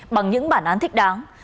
bằng những bản án thích đáng